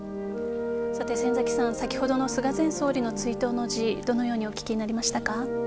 先崎さん先ほどの菅前総理の追悼の辞どのようにお聞きになりましたか。